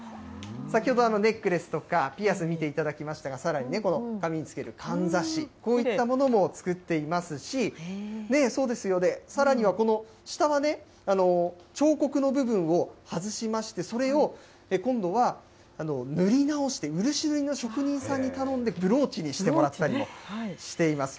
先ほどネックレスとか、ピアス、見ていただきましたが、さらに、この髪につけるかんざし、こういったものも作っていますし、さらには、この下は、彫刻の部分を外しまして、それを今度は塗り直して、漆塗りの職人さんに頼んで、ブローチにしてもらったりもしています。